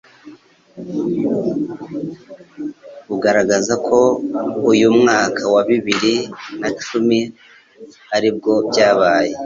bugaragaza ko mu mwaka wa biriri nacumi aribwo byabaye